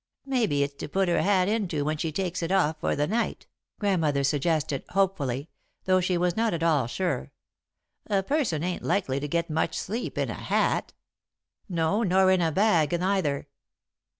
"Maybe it's to put her hat into when she takes it off for the night," Grandmother suggested, hopefully, though she was not at all sure. "A person ain't likely to get much sleep in a hat." "No, nor in a bag neither."